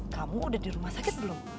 kamu udah di rumah sakit belum